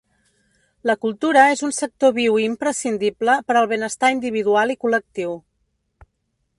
La cultura és un sector viu i imprescindible per al benestar individual i col·lectiu.